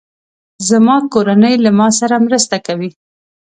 زما کورنۍ له ما سره مرسته کوي.